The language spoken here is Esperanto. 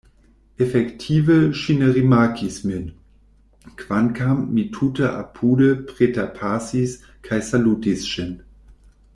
Efektive ŝi ne rimarkis min, kvankam mi tute apude preterpasis kaj salutis ŝin.